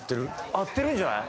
合ってるんじゃない？